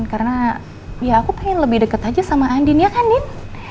karena ya aku pengen lebih deket aja sama andin ya kan din